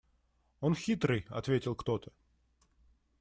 – Он хитрый, – ответил кто-то.